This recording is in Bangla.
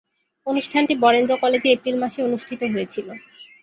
অনুষ্ঠানটি বরেন্দ্র কলেজে এপ্রিল মাসে অনুষ্ঠিত হয়েছিলো।